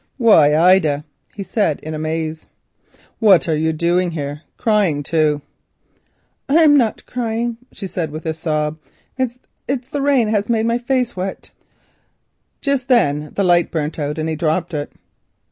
"Why, Ida," he said in amaze, "what are you doing here, crying too?" "I'm not crying," she said, with a sob; "it's the rain that has made my face wet." Just then the light burnt out and he dropped it.